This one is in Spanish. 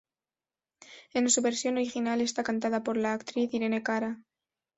En su versión original está cantada por la actriz Irene Cara.